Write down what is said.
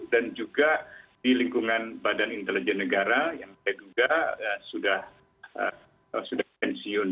dan juga di lingkungan badan intelijen negara yang saya duga sudah pensiun